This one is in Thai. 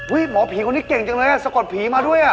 หมอผีคนนี้เก่งจังเลยสะกดผีมาด้วย